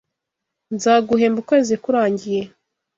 Nzaguhemba ukwezi kurangiye.